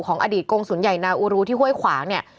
อดีตกงศูนย์ใหญ่นาอูรูที่ห้วยขวางเนี่ย